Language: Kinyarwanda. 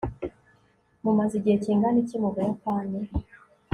mumaze igihe kingana iki mu buyapani